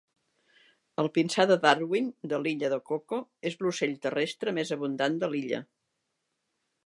El pinsà de Darwin de l'Illa del Coco és l'ocell terrestre més abundant de l'illa.